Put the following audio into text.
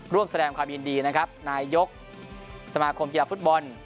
ร่วมแสดงความยินดีนะครับนายกสมาคมกีฬาฟุตบอล